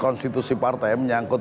konstitusi partai menyangkut